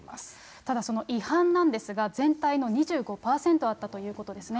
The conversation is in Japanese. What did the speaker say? ただその違反なんですが、全体の２５％あったということです